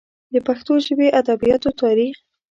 د پښتو ژبې ادبیاتو تاریخ